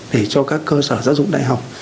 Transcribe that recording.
để cho các cơ sở giáo dục đại học